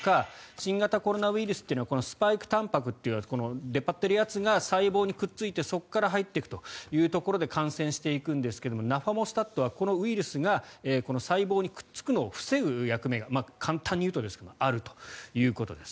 新型コロナウイルスというのはスパイクたんぱくというこの出っ張っているやつが細胞にくっついてそこから入っていくということで感染していくんですがナファモスタットはこのウイルスが細胞にくっつくのを防ぐ役目が簡単に言うとですがあるということです。